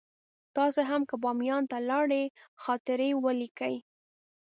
تاسې هم که بامیان ته لاړئ خاطرې ولیکئ.